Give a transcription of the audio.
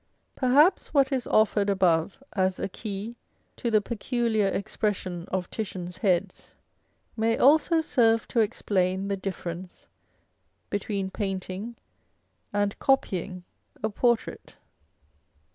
( Perhaps what is offered above as a key to the peculiar expression of Titian's heads may also serve to explain the difference between painting and copying a portrait.